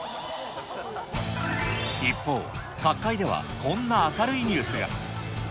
一方、角界ではこんな明るいニュースが。